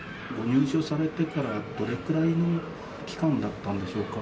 入所されてから、どれくらいの期間だったんでしょうか。